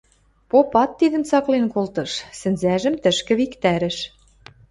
Попат тидӹм цаклен колтыш, сӹнзӓжӹм тӹшкӹ виктӓрӹш.